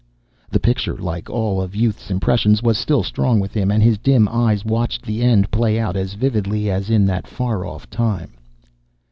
The picture, like all of youth's impressions, was still strong with him, and his dim eyes watched the end played out as vividly as in that far off time.